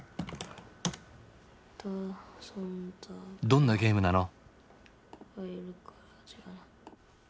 どんなゲームなの？